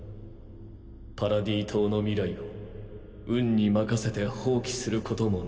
パラディ島の未来を運に任せて放棄することもない。